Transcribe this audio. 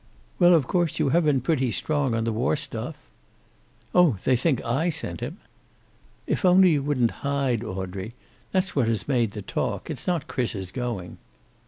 "Well, of course, you have been pretty strong on the war stuff?" "Oh, they think I sent him!" "If only you wouldn't hide, Audrey. That's what has made the talk. It's not Chris's going."